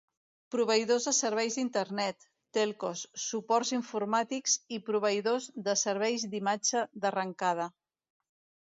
Proveïdors de serveis d'Internet, telcos, suports informàtics i proveïdors de serveis d'imatge d'arrencada.